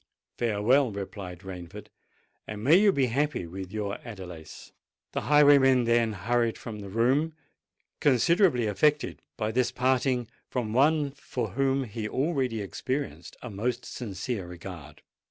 "Farewell," replied Rainford; "and may you be happy with your Adelais." The highwayman then hurried from the room, considerably affected by this parting from one for whom he already experienced a most sincere regard.